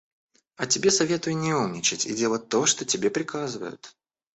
А тебе советую не умничать и делать то, что тебе приказывают».